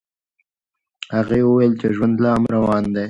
هغې وویل چې ژوند لا هم روان دی.